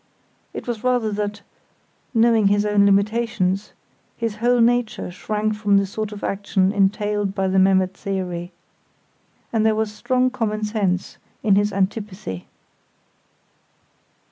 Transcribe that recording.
It was rather that, knowing his own limitations, his whole nature shrank from the sort of action entailed by the Memmert theory. And there was strong common sense in his antipathy.